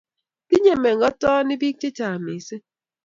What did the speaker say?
Tinyei mengotoni bik chechang missing